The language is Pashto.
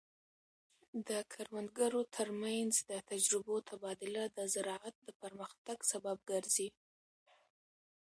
د کروندګرو ترمنځ د تجربو تبادله د زراعت د پرمختګ سبب ګرځي.